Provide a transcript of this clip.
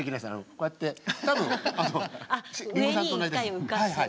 こうやって多分林檎さんと同じです。